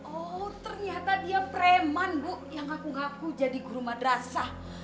oh ternyata dia preman bu yang ngaku ngaku jadi guru madrasah